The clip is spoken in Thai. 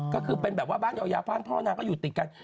ก็คือเป็นแบบว่าบ้านยาวบ้านพ่อนางก็อยู่ติดกัน